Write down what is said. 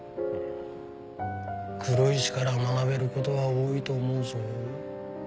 黒石から学べる事は多いと思うぞ。